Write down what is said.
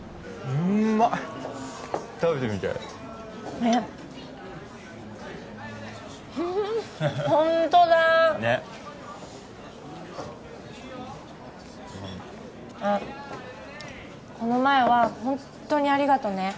うんあっこの前はほんとにありがとね